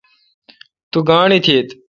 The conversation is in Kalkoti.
تو گاݨڈ ایتھت۔